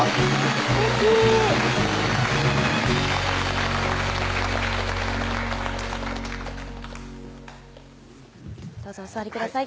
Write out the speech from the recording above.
すてきどうぞお座りください